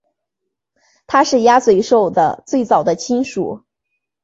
它是鸭嘴兽的最早的亲属。